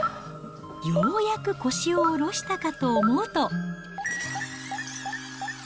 ようやく腰を下ろしたかと思うと。